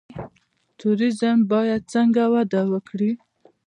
توریزم باید څنګه وده وکړي؟